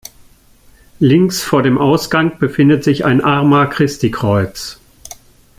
Links vor dem Ausgang befindet sich ein Arma-Christi-Kreuz.